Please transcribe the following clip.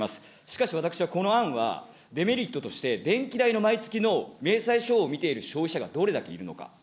しかし私はこの案は、デメリットとして、電気代の毎月の明細書を見ている消費者がどれだけいるのか。